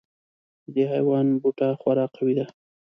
د دې حیوان بوټه خورا قوي دی.